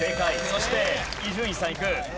そして伊集院さんいく。